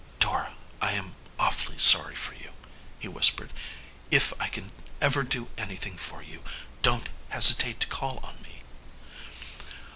"Dora, I am awfully sorry for you," he whispered. "If I can ever do anything for you, don't hesitate to call on me."